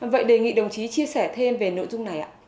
vậy đề nghị đồng chí chia sẻ thêm về nội dung này ạ